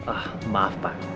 ah maaf pak